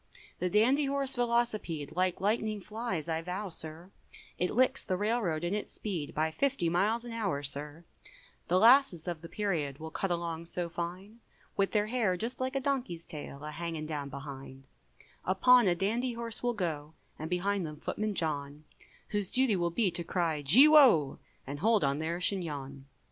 The dandy horse Velocipede, Like lightning flies, I vow, sir, It licks the railroad in its speed, By fifty miles an hour, sir, The lasses of the period, Will cut along so fine, With their hair just like a donkey's tail, A hanging down behind; Upon a dandy horse will go, And behind them footman John, Whose duty will be to cry, gee wo! And hold on their chignon.